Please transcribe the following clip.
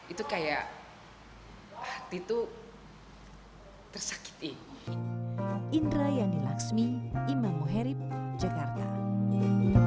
itu kayak hati tuh tersakiti